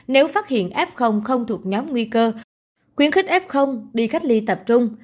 nếu phát hiện f không thuộc nhóm nguy cơ khuyến khích f đi cách ly tập trung